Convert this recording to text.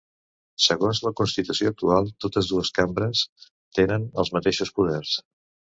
Segons la constitució actual, totes dues cambres tenen els mateixos poders.